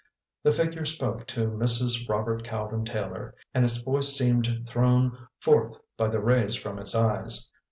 The figure spoke to Mrs. Robert Calvin Taylor, and its voice seemed thrown forth by the rays from its eyes.